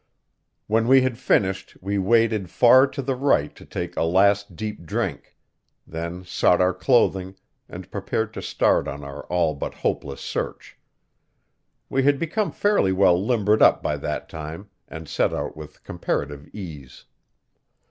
When we had finished we waded far to the right to take a last deep drink; then sought our clothing and prepared to start on our all but hopeless search. We had become fairly well limbered up by that time and set out with comparative ease.